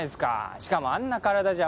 しかもあんな体じゃ。